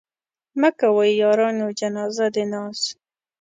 مه کوئ يارانو جنازه د ناز